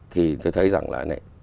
thì tôi thấy rằng là này